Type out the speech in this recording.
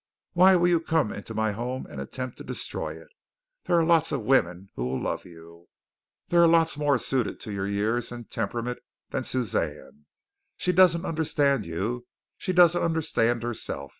"Why will you come into my home and attempt to destroy it? There are lots of women who will love you. There are lots more suited to your years and temperament than Suzanne. She doesn't understand you. She doesn't understand herself.